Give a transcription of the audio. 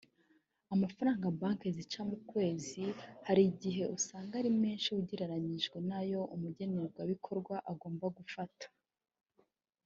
Amafaranga Banki zica ku kwezi hari igihe usanga ari menshi ugereranyije n’ayo umugenerwabikora agomba gufata